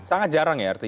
sangat jarang ya artinya